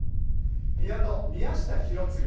ピアノ、宮下博次。